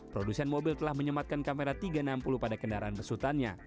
produsen mobil telah menyematkan kamera tiga ratus enam puluh pada kendaraan besutannya